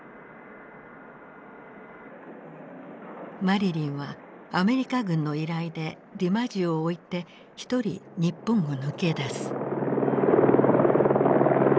マリリンはアメリカ軍の依頼でディマジオを置いて一人日本を抜け出す。